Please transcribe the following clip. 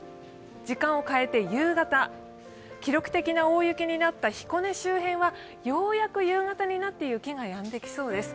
時間を変えて夕方、記録的な大雪になった彦根周辺はようやく夕方になって雪がやんできそうです。